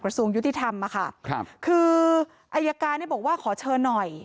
ส่วนยุติธรรมอะค่ะครับคืออายการเนี่ยบอกว่าขอเชิญหน่อย